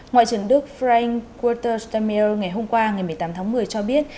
ngoại trưởng đức frank walter stemmil ngày hôm qua ngày một mươi tám tháng một mươi cho biết